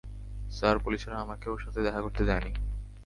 Sir, পুলিশরা আমাকে ওর সাথে দেখা করতে দেয়নি।